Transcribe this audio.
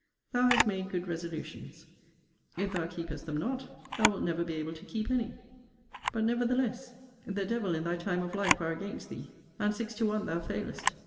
Thou hast made good resolutions. If thou keepest them not, thou wilt never be able to keep any. But, nevertheless, the devil and thy time of life are against thee: and six to one thou failest.